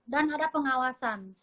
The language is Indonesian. dan ada pengawasan